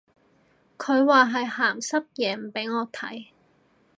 佢話係鹹濕嘢唔俾我睇